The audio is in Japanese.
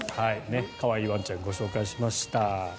可愛いワンちゃんをご紹介しました。